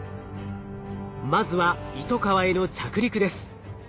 まずはイトカワへの着陸です。